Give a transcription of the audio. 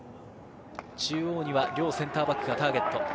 中央には両センターバックがターゲット。